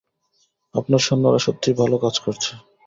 আপনার সৈন্যরা সত্যিই ভালো কাজ করছে।